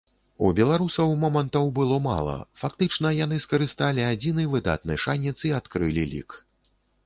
У беларусаў момантаў было мала, фактычна, яны скарысталі адзіны выдатны шанец і адкрылі лік.